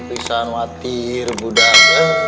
pisah khawatir budak